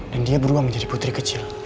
dan dia beruang menjadi putri kecil